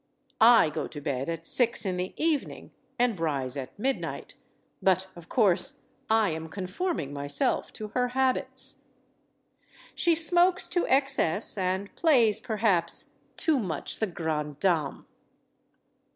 (I go to bed at six in the evening and rise at midnight; but, of course, I am conforming myself to her habits.) She smokes to excess and plays, perhaps, too much the grande dame.